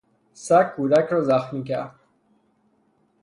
سگ کودک را زخمی کرد.